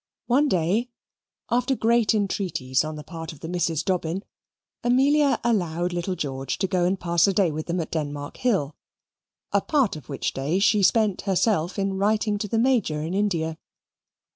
One day, after great entreaties on the part of the Misses Dobbin, Amelia allowed little George to go and pass a day with them at Denmark Hill a part of which day she spent herself in writing to the Major in India.